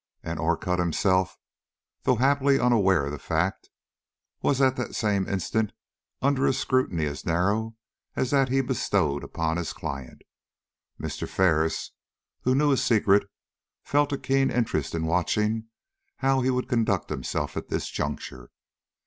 And Orcutt himself, though happily unaware of the fact, was at that same instant under a scrutiny as narrow as that he bestowed upon his client. Mr. Ferris, who knew his secret, felt a keen interest in watching how he would conduct himself at this juncture.